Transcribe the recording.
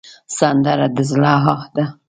سندره د زړه آه ده